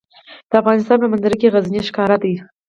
د افغانستان په منظره کې غزني ښکاره ده.